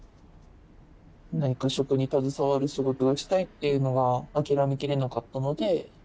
何か食に携わる仕事がしたいっていうのが諦めきれなかったので。